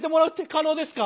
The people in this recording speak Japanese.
可能ですか。